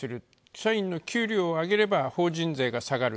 社員の給料を上げると法人税が下がる。